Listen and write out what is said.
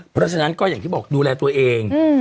เพราะฉะนั้นก็อย่างที่บอกดูแลตัวเอง